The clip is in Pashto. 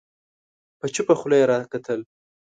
په چوپه خوله يې راکتل